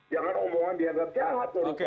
jangan omongan dianggap jahat